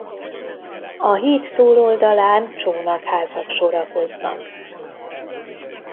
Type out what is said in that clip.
A híd túloldalán csónakházak sorakoznak.